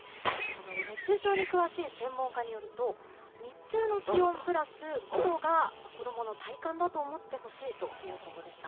熱中症に詳しい専門家によると日中の気温プラス５度が子供の体感だと思ってほしいということでした。